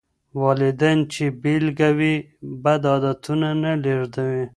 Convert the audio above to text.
والدين چې بېلګه وي، بد عادتونه نه لېږدېږي.